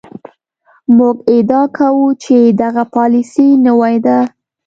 موږ ادعا کوو چې دغه پالیسي نوې ده.